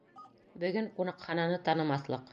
Бөгөн ҡунаҡхананы танымаҫлыҡ.